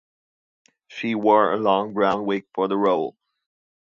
She wore a long brown wig for the role.